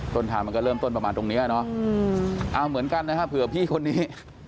ต้นทางมันก็เริ่มต้นประมาณตรงเนี้ยเนอะเอาเหมือนกันนะฮะเผื่อพี่คนนี้